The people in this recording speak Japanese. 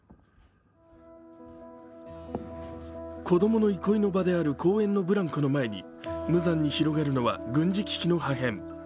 子供の憩いの場である公園のブランコの前に無残に広がるのは軍事機器の破片。